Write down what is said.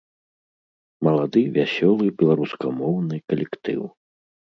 Малады вясёлы беларускамоўны калектыў.